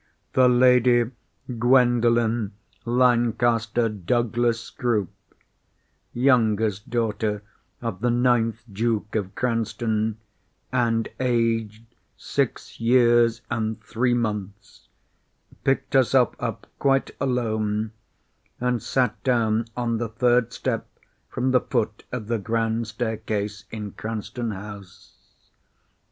The Lady Gwendolen Lancaster Douglas Scroop, youngest daughter of the ninth Duke of Cranston, and aged six years and three months, picked herself up quite alone, and sat down on the third step from the foot of the grand staircase in Cranston House.